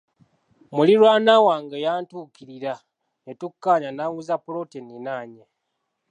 Muliraanwa wange yantuukirira ne tukkaanya n’anguza ppoloti enninaanye.